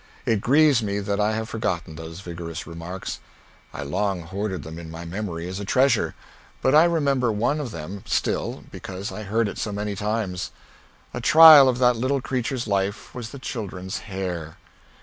It grieves me that I have forgotten those vigorous remarks. I long hoarded them in my memory as a treasure. But I remember one of them still, because I heard it so many times. The trial of that little creature's life was the children's hair.